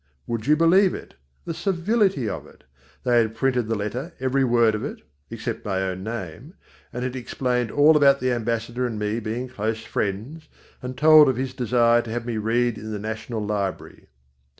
Would you believe it? The civility of it! They had printed the letter, every word of it except my own name and it explained all about the ambassador and me being close friends, and told of his desire to have me read in the National Library.